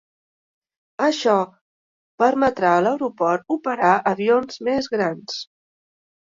Això permetrà a l'aeroport operar avions més grans.